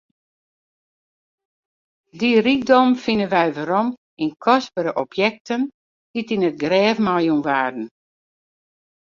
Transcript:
Dy rykdom fine wy werom yn kostbere objekten dy't yn it grêf meijûn waarden.